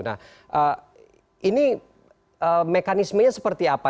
nah ini mekanismenya seperti apa